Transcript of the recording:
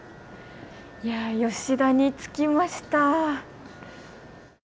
いや吉田に着きました。